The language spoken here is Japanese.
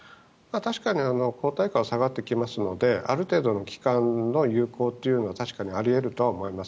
確かに抗体価は下がってきますのである程度の期間の有効はあり得ると思います。